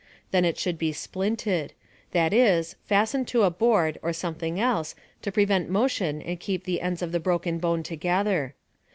Then it should be "splinted" that is, fastened to a board or something else to prevent motion and keep the ends of the broken bone together.